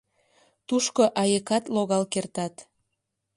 — Тушко айыкат логал кертат.